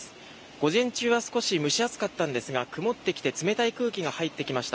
午前中は少し蒸し暑かったんですが曇ってきて冷たい空気が入ってきました。